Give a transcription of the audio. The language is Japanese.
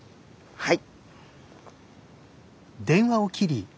はい！